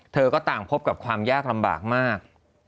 เธอก็ต่างพบกับความยากลำบากมาก